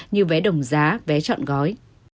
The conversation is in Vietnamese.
như vé đồng giá vé chọn gói